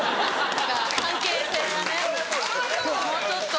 そっか関係性がねもうちょっと。